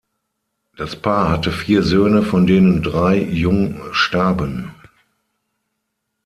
Das Paar hatte vier Söhne von denen drei jung starben.